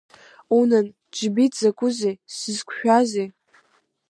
Унан, џьбит, закәызеи, сзықәшәази?